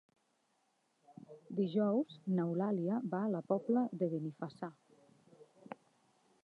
Dijous n'Eulàlia va a la Pobla de Benifassà.